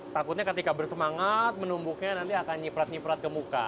takutnya ketika bersemangat menumbuknya nanti akan nyiprat nyiprat ke muka